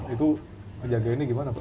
itu penjaga ini gimana pak